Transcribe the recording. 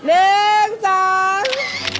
หนึ่งสาม